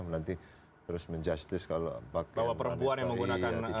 menanti terus menjustis kalau perempuan yang menggunakan